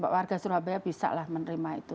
warga surabaya bisa lah menerima itu